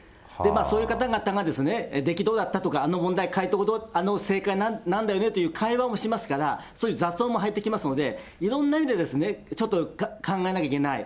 そういう方々が出来どうだった？とか、あの問題解答、正解はなんだよねという会話もしますから、そういう雑音も入ってきますので、いろんな意味で、ちょっと考えなきゃいけない。